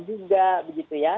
juga begitu ya